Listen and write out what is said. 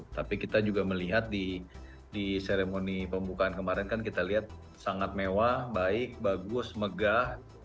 tapi kita juga melihat di seremoni pembukaan kemarin kan kita lihat sangat mewah baik bagus megah